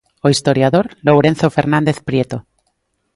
O historiador Lourenzo Fernández Prieto.